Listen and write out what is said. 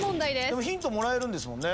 ヒントもらえるんですもんね。